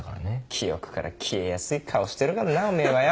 記憶から消えやすい顔してるからなぁおめぇはよ。